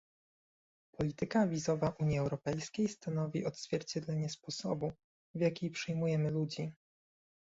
Polityka wizowa Unii Europejskiej stanowi odzwierciedlenie sposobu, w jaki przyjmujemy ludzi